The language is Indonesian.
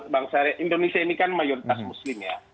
bank syariah indonesia ini kan mayoritas muslim ya